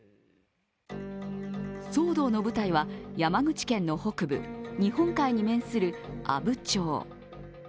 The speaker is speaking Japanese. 騒動の舞台は、山口県の北部、日本海に面する阿武町。